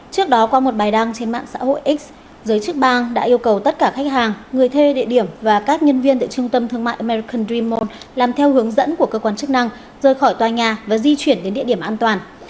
trước đó qua một bài đăng trên mạng xã hội x giới chức bang đã yêu cầu tất cả khách hàng người thê địa điểm và các nhân viên tại trung tâm thương mại american dream mall làm theo hướng dẫn của cơ quan chức năng rời khỏi tòa nhà và di chuyển đến địa điểm an toàn